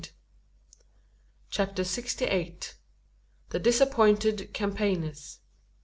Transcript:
CHAPTER SIXTY EIGHT. THE DISAPPOINTED CAMPAIGNERS.